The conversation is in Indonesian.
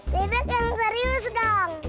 bebek yang serius dong